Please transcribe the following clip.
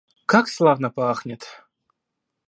Как славно пахнет!